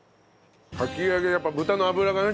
かき揚げやっぱ豚の脂がね